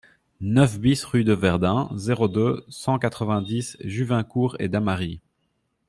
neuf BIS rue de Verdun, zéro deux, cent quatre-vingt-dix, Juvincourt-et-Damary